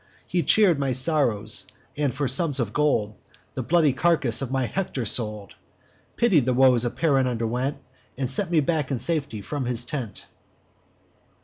He cheer'd my sorrows, and, for sums of gold, The bloodless carcass of my Hector sold; Pitied the woes a parent underwent, And sent me back in safety from his tent.